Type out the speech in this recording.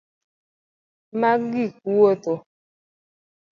Mag gik wuotho